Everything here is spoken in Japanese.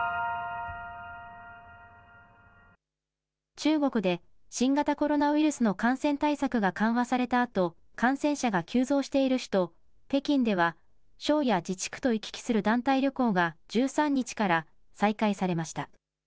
中国で新型コロナウイルスの感染対策が緩和されたあと感染者が急増している首都・北京では省や自治区と行き来する団体旅行が１３日から再開されました。